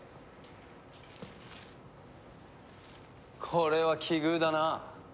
これは奇遇だな。